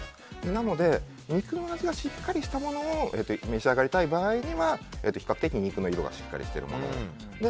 なので肉の味がしっかりしたものを召し上がりたい場合には比較的、肉の色がしっかりしているものを。